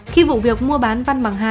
khi vụ việc mua bán văn bằng hai